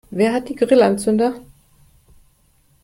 Wer hat die Grillanzünder?